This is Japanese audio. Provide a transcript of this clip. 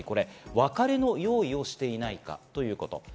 つまりこれは別れの用意をしていないかということ。